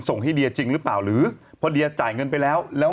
ส่งให้เดียจริงหรือเปล่าหรือพอเดียจ่ายเงินไปแล้วแล้ว